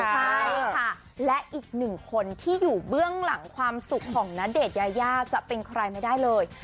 ใช่ค่ะและอีกหนึ่งคนที่อยู่เบื้องหลังความสุขของณเดชน์ยายาจะเป็นใครไม่ได้เลย